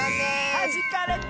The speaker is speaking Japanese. はじかれた！